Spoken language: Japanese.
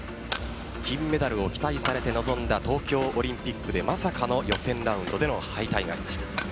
金メダルを期待されて臨んだ東京オリンピックで、まさかの予選ラウンドでの敗退がありました。